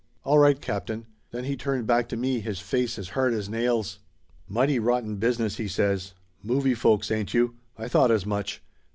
All right, captain !" Then he turned back to me, his face as hard as nails. "Mighty rotten business," he says. "Movie folks, ain't you? I thought as much!